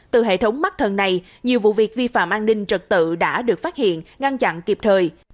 từ hệ thống mắt thần này nhiều vụ việc vi phạm an ninh trật tự đã được phát hiện ngăn chặn kịp thời